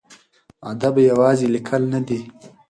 ادب یوازې لیکل نه دي.